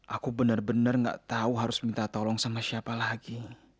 aku bener bener gak tahu harus minta tolong sama siapa lagi